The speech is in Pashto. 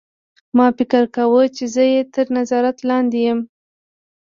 ما فکر کاوه چې زه یې تر نظارت لاندې یم